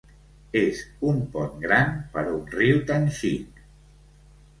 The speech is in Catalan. És un pont gran, per un riu tan xic.